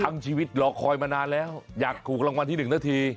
ชีวิตรอคอยมานานแล้วอยากถูกรางวัลที่๑นาที